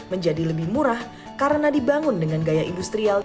menjadi lebih murah karena dibangun dengan gaya industrial